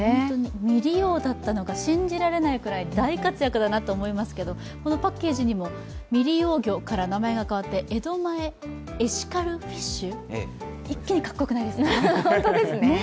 未利用だったのが信じられないくらい大活躍だなと思いますけどこのパッケージにも未利用魚から名前が変わって江戸前エシカルフィッシュ、一気にかっこよくなりましたね。